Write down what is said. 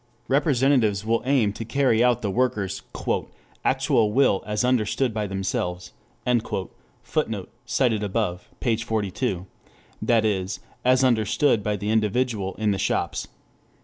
Representatives will aim to carry out the workers' "actual will as understood by themselves," [Footnote: Op. cit., p. 42.] that is, as understood by the individual in the shops.